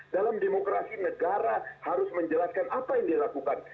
dalam demokrasi negara harus menjelaskan apa yang dilakukan